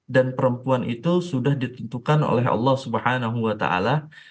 dan perempuan itu sudah ditentukan oleh allah subhanahu wa ta ala